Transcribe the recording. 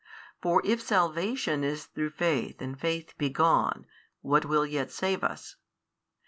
For if salvation is through faith and faith be gone, what will yet save us?